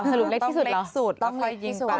สรุปเล็กที่สุดเหรอต้องเล็กสุดต้องค่อยยิงไปต้องเล็กสุด